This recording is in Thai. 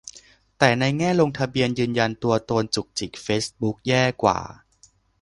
แต่ในแง่ลงทะเบียนยืนยันตัวตนจุกจิก เฟซบุ๊กแย่กว่า